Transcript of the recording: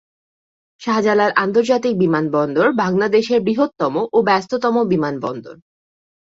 শাহজালাল আন্তর্জাতিক বিমানবন্দর বাংলাদেশের বৃহত্তম ও ব্যস্ততম বিমানবন্দর।